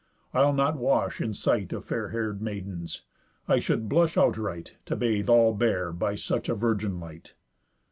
I'll not wash in sight Of fair hair'd maidens. I should blush outright, To bathe all bare by such a virgin light."